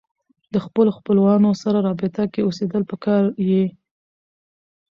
د خپلو خپلوانو سره رابطه کې اوسېدل پکار يي